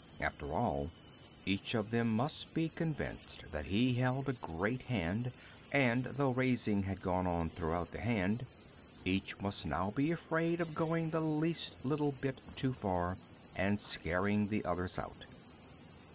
After all, each of them must be convinced that he held a great hand, and though raising had gone on throughout the hand, each must now be afraid of going the least little bit too far and scaring the others out.